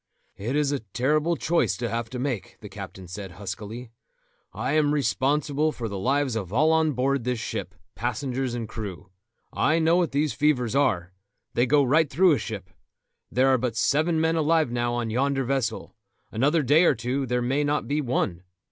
"It is a terrible choice to have to make," the captain said huskily. "I am responsible for the lives of all on board this ship, passengers and crew. I know what these fevers are; they go right through a ship. There are but seven men alive now on yonder vessel; another day or two there may not be one.